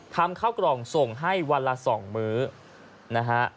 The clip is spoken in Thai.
ข้าวกล่องส่งให้วันละ๒มื้อนะฮะ